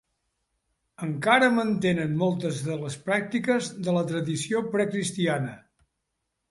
Encara mantenen moltes de les pràctiques de la tradició precristiana.